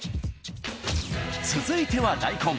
続いては大根。